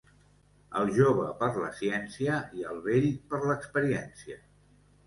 El jove per la ciència i el vell per l'experiència.